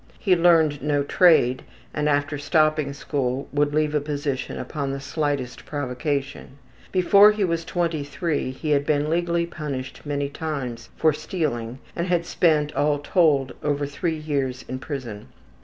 He learned no trade, and after stopping school would leave a position upon the slightest provocation. Before he was 23 he had been legally punished many times for stealing and had spent, all told, over three years in prison.